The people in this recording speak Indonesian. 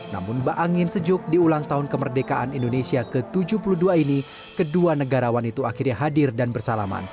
namun baangin sejuk di ulang tahun kemerdekaan indonesia ke tujuh puluh dua ini kedua negarawan itu akhirnya hadir dan bersalaman